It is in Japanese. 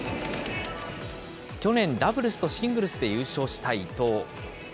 去年、ダブルスとシングルスで優勝した伊藤。